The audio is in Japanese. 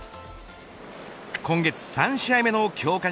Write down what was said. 今月３試合目の強化